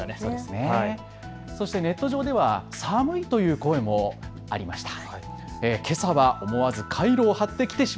ネット上では寒いという声もありました。